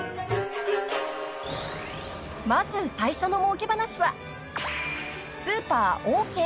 ［まず最初のもうけ話はスーパーオーケー］